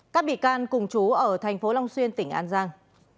các bị can cùng chú ở thành phố long xuyên tỉnh an giang